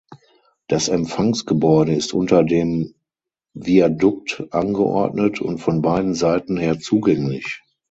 Das Empfangsgebäude ist unter dem Viadukt angeordnet und von beiden Seiten her zugänglich.